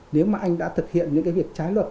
nếu mà anh đã thực hiện những cái việc trái luật